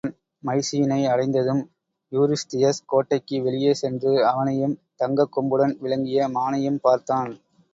அவன் மைசீனை அடைந்ததும், யூரிஸ்தியஸ் கோட்டைக்கு வெளியே சென்று, அவனையும் தங்கக் கொம்புடன் விளங்கிய மானையும் பார்த்தான்.